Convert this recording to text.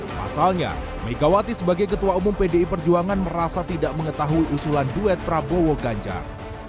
pasalnya megawati sebagai ketua umum pdi perjuangan merasa tidak mengetahui usulan duet prabowo ganjar